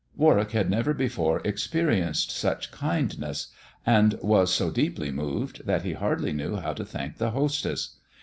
Warwick had never before experienced such kindness, and was so deeply moved that he hardly knew how to thank the hostess.